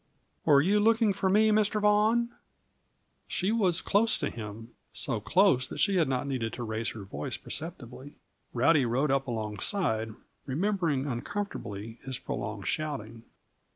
"Were you looking for me, Mr. Vaughan?" She was close to him so close that she had not needed to raise her voice perceptibly. Rowdy rode up alongside, remembering uncomfortably his prolonged shouting.